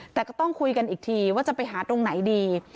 แต่ก็ต้องคุยกันอีกทีว่าจะไปหาตรงไหนดี